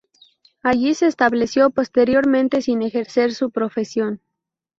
Allí se estableció posteriormente sin ejercer su profesión.